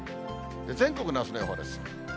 全国のあすの予報です。